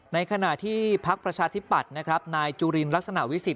ในขณะที่พักประชาธิปัตย์นะครับนายจุลินลักษณะวิสิท